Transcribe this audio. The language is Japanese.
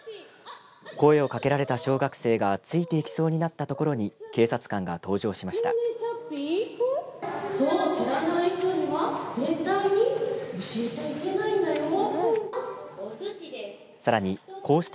声を掛けられた小学生がついていきそうになったところに警察官が登場しました。